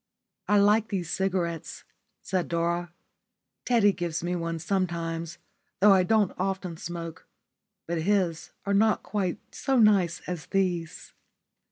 "I like these cigarettes," said Dora. "Teddy gives me one sometimes, though I don't often smoke, but his are not quite so nice as these."